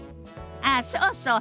ああそうそう。